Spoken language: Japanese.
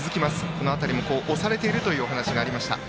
この辺りも、押されているというお話がありました。